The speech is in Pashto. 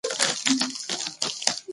غوږونه په سیخ مه پاکوئ.